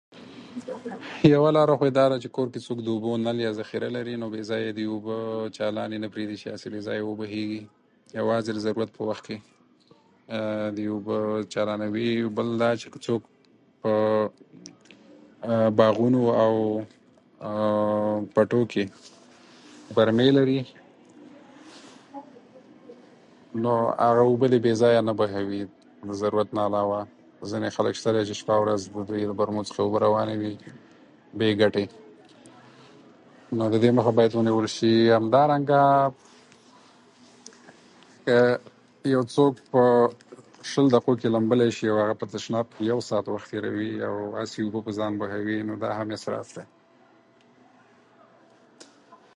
یوه لاره خو یې دا ده چې کور کې څوک د اوبو نل یا ذخیره لري، نو بېځایه دې اوبه چالانې نه پرېږدي چې بېځایه وبهېږي. یوازې د ضرورت په وخت کې دې اوبه چالانوي. بل دا چې که څوک په باغونو او پټیو کې برمې لري، نو هغه اوبه دې بېځایه نه بهوي، له ضرورت نه علاوه. ځینې خلک شته چې شپه او ورځ اوبه یې د برمو څخه روانې وي، بې ګټې. نو د دې مخه باید ونیول شي. همدارنګه که یو څوک په شل دقیقو کې لمبلي شي او هغه په تشناب کې یو ساعت وخت تېروي او هغسې اوبه پر ځای بهوي، نو دا هم اسراف دی.